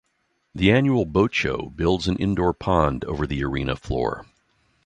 The annual Boat Show builds an indoor pond over the arena floor.